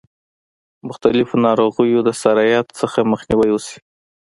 مختلفو ناروغیو د سرایت څخه مخنیوی وشي.